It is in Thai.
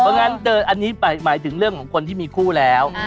เพราะฉะนั้นอันนี้หมายถึงเรื่องของคนที่มีคู่แล้ว